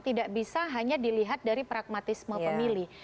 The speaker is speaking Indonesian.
tidak bisa hanya dilihat dari pragmatisme pemilih